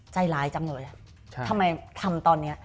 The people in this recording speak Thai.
ใจร้ายจังเลยทำไมทำตอนนี้